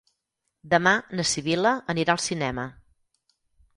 Demà na Sibil·la anirà al cinema.